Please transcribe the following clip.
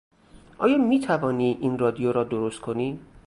آیا میتوانی این رادیو را درست کنی؟